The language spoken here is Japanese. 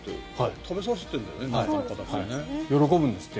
食べさせてるんだよねなんかの形でね。